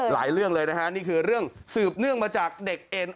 เรื่องเลยนะฮะนี่คือเรื่องสืบเนื่องมาจากเด็กเอ็น